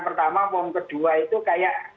pertama form kedua itu kayak